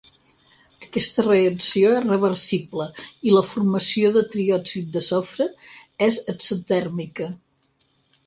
Aquesta reacció és reversible i la formació de triòxid de sofre és exotèrmica.